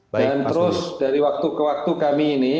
dan terus dari waktu ke waktu kami ini